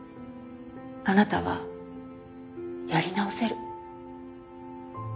あなたはやり直せる。